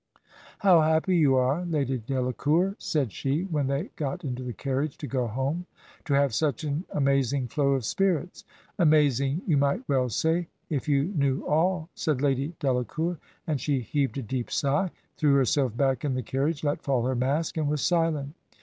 ... 'How happy yoti are. Lady Delacour,' said she, when th€fy got into the carriage to go home, ... 'to have such an amazing flow of spirits!' 'Amazing ycrti might Well say, if you knew all/ said Lady Dela 3t Digitized by VjOOQIC HEROINES OF FICTION cour, and she heaved a deep sigh, threw herself back in the carriage, let fall her mask, and was silent.